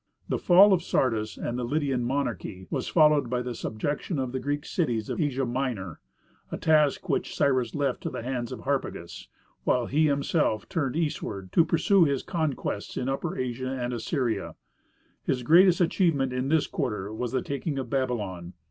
The fall of Sardis and the Lydian monarchy was followed by the subjection of the Greek cities of Asia Minor, a task which Cyrus left to the hands of Harpagus, while he himself turned eastward to pursue his conquests in Upper Asia and in Assyria. His greatest achievement in this quarter was the taking of Babylon.